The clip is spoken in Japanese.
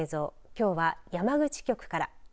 きょうは、山口局から。